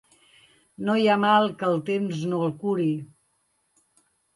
No hi ha mal que el temps no el curi.